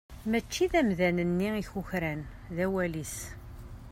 Mačči d amdan-nni i kukran, d awal-is.